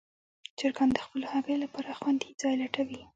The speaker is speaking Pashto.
چرګان د خپلو هګیو لپاره خوندي ځای لټوي.